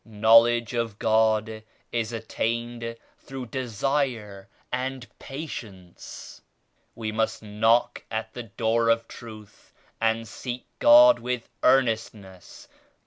Knowledge of God is attained through Desire and Patience. We must knock at the Door of Truth and seek God with earnestness.